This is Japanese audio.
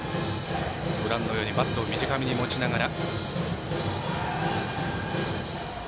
バットを短めに持ちながら。